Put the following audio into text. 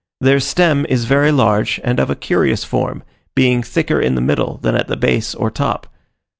Their stem is very large, and of a curious form, being thicker in the middle than at the base or top.